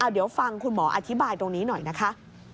เดี๋ยวฟังคุณหมออธิบายตรงนี้หน่อยนะคะ